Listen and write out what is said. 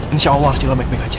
insya allah baik baik aja